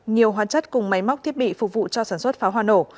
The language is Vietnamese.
nhiều hóa chất cùng máy móc thiết bị phục vụ cho sản xuất pháo hoa nổ